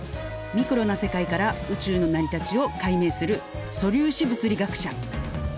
ミクロな世界から宇宙の成り立ちを解明する素粒子物理学者。